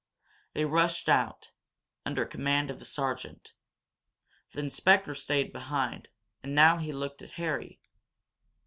They rushed out, under command of a sergeant. The inspector stayed behind, and now he looked at Harry.